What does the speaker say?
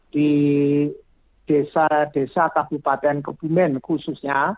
di desa desa kabupaten kebumen khususnya